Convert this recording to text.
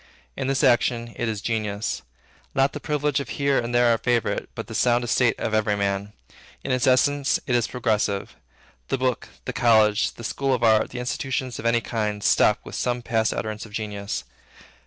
In this action, it is genius; not the privilege of here and there a favorite, but the sound estate of every man. In its essence, it is progressive. The book, the college, the school of art, the institution of any kind, stop with some past utterance of genius.